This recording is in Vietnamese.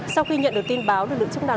sau khi nhận được tin báo lực lượng chức năng